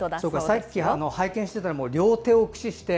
さっき拝見していたら両手を駆使して。